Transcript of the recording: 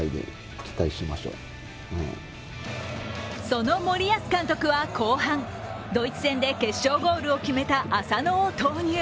その森保監督は後半、ドイツ戦で決勝ゴールを決めた浅野を投入。